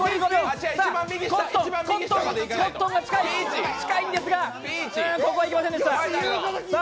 コットンが近いんですがいけませんでした。